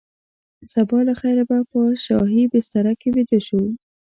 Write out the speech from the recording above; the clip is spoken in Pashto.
سبا له خیره به په شاهي بستره کې ویده شو.